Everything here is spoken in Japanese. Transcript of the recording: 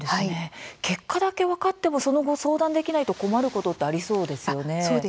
結果だけ分かってもその後、相談できないと困ることってありそうですよね。